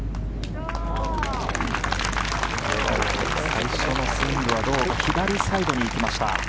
最初のスイングは左サイドに行きました。